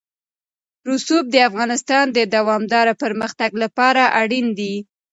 رسوب د افغانستان د دوامداره پرمختګ لپاره اړین دي.